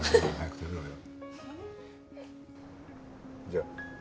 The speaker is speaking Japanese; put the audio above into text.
じゃあ。